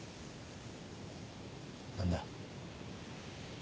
何だ？